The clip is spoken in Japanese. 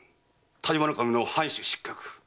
但馬守の藩主失格。